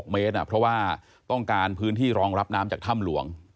๖เมตรเพราะว่าต้องการพื้นที่รองรับน้ำจากถ้ำหลวง